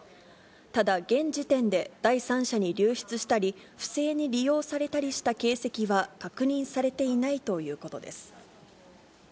ただ、現時点で第三者に流出したり、不正に利用されたりした形跡は確認されていないということです。